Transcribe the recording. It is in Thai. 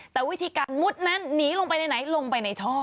แต่วิธีการมุดนั้นหนีลงไปไหนลงไปในท่อ